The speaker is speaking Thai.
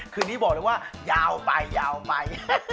คืนนี้บอกเลยว่ายาวไป